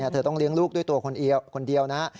เธอต้องเลี้ยงลูกด้วยตัวคนเดียวนะ